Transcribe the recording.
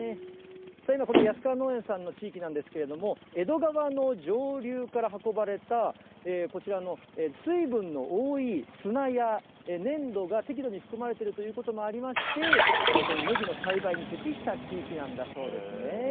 今、この安川農園さんの地域なんですけれども、江戸川の上流から運ばれた、こちらの水分の多い砂や粘土が適度に含まれているということもありまして、このねぎの栽培に適した地域なんだそうですね。